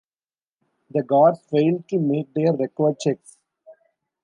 The guards failed to make their required checks.